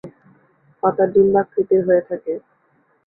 পাতা ডিম্বাকৃতির হয়ে থাকে।